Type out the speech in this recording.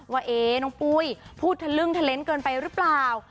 ว่าน้องปุ้ยพูดทะลึ่งทะเลนส์เกินไปหรือเปล่า